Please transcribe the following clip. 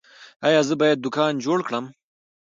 ایا زه باید دوکان جوړ کړم؟